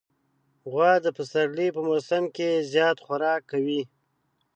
غوا د پسرلي په موسم کې زیات خوراک کوي.